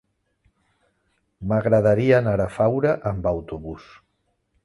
M'agradaria anar a Faura amb autobús.